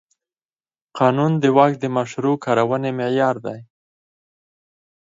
قانون د واک د مشروع کارونې معیار دی.